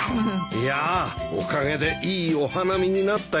いやーおかげでいいお花見になったよ。